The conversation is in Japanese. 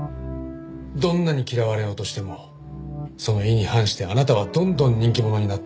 どんなに嫌われようとしてもその意に反してあなたはどんどん人気者になっていった。